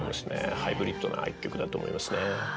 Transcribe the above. ハイブリッドな一曲だと思いますね。